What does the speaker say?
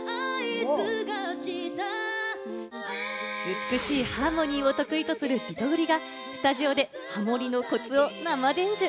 美しいハーモニーを得意とするリトグリがスタジオでハモりのコツを生伝授。